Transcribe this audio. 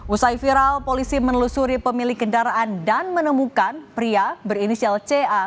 usai viral polisi menelusuri pemilik kendaraan dan menemukan pria berinisial ca